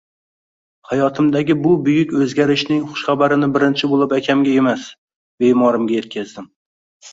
Hayotimdagi bu buyuk o`zgarishning xushxabarini birinchi bo`lib akamga emas, bemorimga etkazdim